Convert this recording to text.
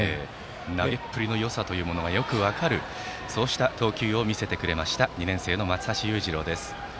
投げっぷりのよさがよく分かるそうした投球を見せてくれた２年生の松橋裕次郎です。